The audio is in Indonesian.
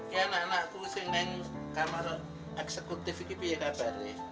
ya anak anakku yang lain kamar eksekutif itu ibadah baru ya